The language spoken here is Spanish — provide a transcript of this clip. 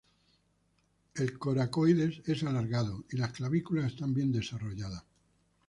El coracoides es alargado y las clavículas están bien desarrolladas.